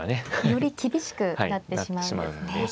より厳しくなってしまうんですね。